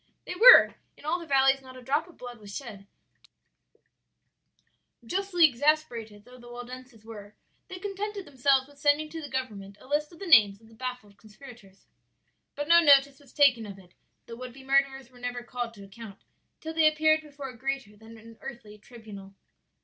"They were; in all the valleys not a drop of blood was shed; justly exasperated though the Waldenses were, they contented themselves with sending to the government a list of the names of the baffled conspirators. "But no notice was taken of it; the would be murderers were never called to account till they appeared before a greater than an earthly tribunal.